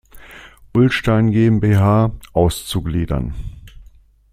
Ullstein GmbH, auszugliedern.